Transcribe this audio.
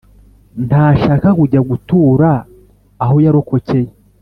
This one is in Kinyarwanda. Ntashaka kujya gutura aho yarokokeye